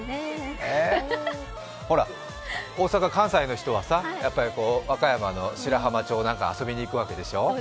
ほらっ、大阪、関西の人は和歌山の白浜町なんか遊びに行くわけでしょう。